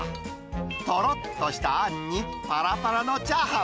とろっとしたあんに、ぱらぱらのチャーハン。